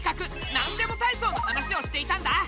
「なんでもたいそう」の話をしていたんだ。